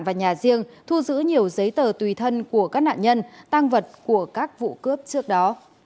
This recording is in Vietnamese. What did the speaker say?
và nhà riêng thu giữ nhiều giấy tờ tùy thân của các nạn nhân tăng vật của các vụ cướp trước đó